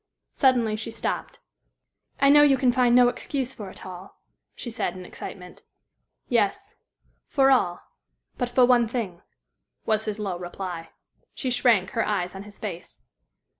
Suddenly she stopped. "I know you can find no excuse for it all," she said, in excitement. "Yes; for all but for one thing," was his low reply. She shrank, her eyes on his face.